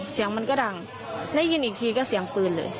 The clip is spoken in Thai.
เสียงมันก็ดังได้ยินอีกทีก็เสียงปืนเลย